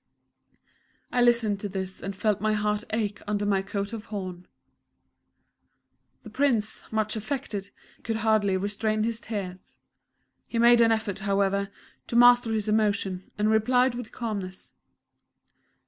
I listened to this and felt my heart ache under my coat of horn. The Prince, much affected, could hardly restrain his tears. He made an effort, however, to master his emotion, and replied with calmness.